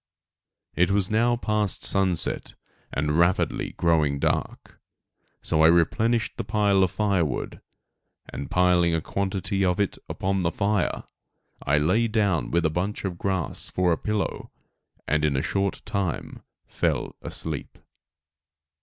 It was now past sunset and rapidly growing dark; so I replenished the pile of firewood, and piling a quantity of it upon the fire, I lay down with a bunch of grass for a pillow, and in a short time fell asleep.